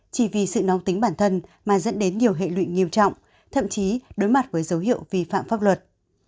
chỉ vì sự nóng tính bản thân mà dẫn đến nhiều hệ lụy nghiêm trọng thậm chí đối mặt với dấu hiệu vi phạm pháp luật